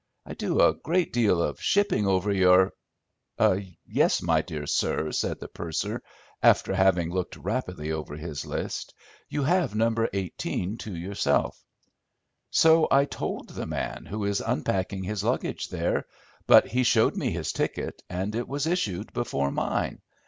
I do a great deal of shipping over your—" "Yes, my dear sir," said the purser, after having looked rapidly over his list, "you have No. 18 to yourself." "So I told the man who is unpacking his luggage there; but he showed me his ticket, and it was issued before mine.